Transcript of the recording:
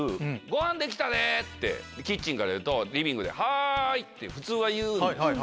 ごはんできたでぇ！ってキッチンから言うとリビングで「はい！」って普通は言うんですよ。